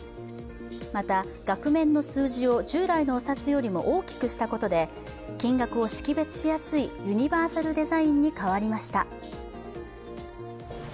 また、額面の数字を従来のお札よりも大きくしたことで金額を識別しやすいユニバーサルデザインに変わりました。